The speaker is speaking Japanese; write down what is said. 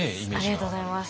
ありがとうございます。